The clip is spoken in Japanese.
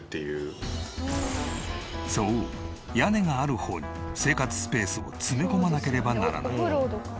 そう屋根がある方に生活スペースを詰め込まなければならない。